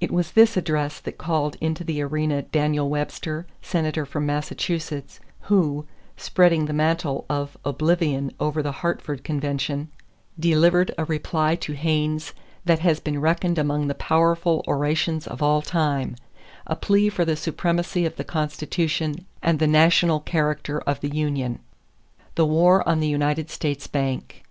It was this address that called into the arena Daniel Webster, Senator from Massachusetts, who, spreading the mantle of oblivion over the Hartford convention, delivered a reply to Hayne that has been reckoned among the powerful orations of all time a plea for the supremacy of the Constitution and the national character of the union. =The War on the United States Bank.